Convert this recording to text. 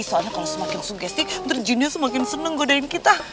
soalnya kalau semakin sugesti bentar jinnya semakin seneng godain kita